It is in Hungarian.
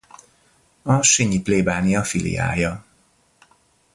A sinji plébánia filiája.